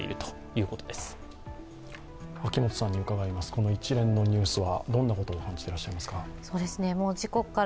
この一連のニュースはどんなこと感じてらっしゃいますか？